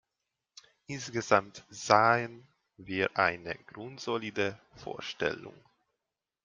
Insgesamt sahen wir eine grundsolide Vorstellung.